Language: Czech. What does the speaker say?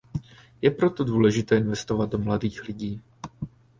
Je proto důležité investovat do mladých lidí.